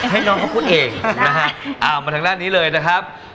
หยุดแล้วนะครับ